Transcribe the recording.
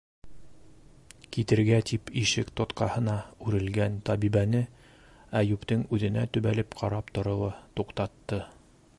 — Китергә тип ишек тотҡаһына үрелгән табибәне Әйүптең үҙенә төбәлеп ҡарап тороуы туҡтатты.